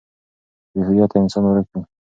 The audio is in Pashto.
بې هويته انسان ورک وي.